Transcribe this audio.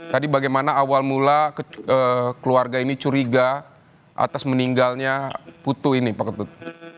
tadi bagaimana awal mula keluarga ini curiga atas meninggalnya putu ini pak ketut